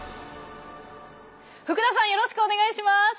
福田さんよろしくお願いします。